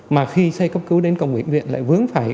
mà khi xây cấp cứu đến cổng bệnh viện lại vướng phải